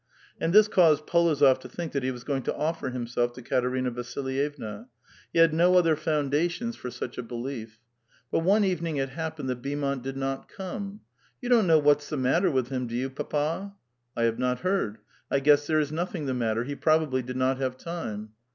And this caused P61ozof to think that he was going to offer himself to Katerina Vasilyevna ; he had no other foundations for such 484 A VITAL QUESTION. a belief. But one evcniDg it happened that Beanmont did not c'ome. ^^ You don't know what is the matter with him, do you, papa?" "^ 1 have not heard ; I guess there is nothing the matter. He probably did not have time."